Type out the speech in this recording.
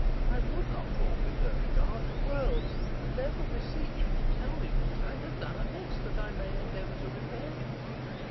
I would not forfeit her regard for worlds, and therefore beseech you to tell me what I have done amiss, that I may endeavour to repair it."